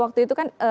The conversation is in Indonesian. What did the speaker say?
waktu itu kan